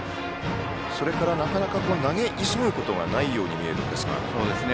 それから、なかなか投げ急ぐことがないように見えるんですが。